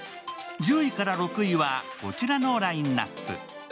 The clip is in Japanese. １０位から６位はこちらのラインナップ。